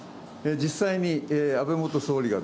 実際に、安倍元総理が、